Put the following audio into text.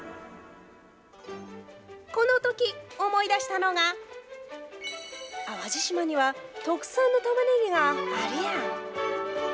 このとき思い出したのが、淡路島には特産のタマネギがあるやん。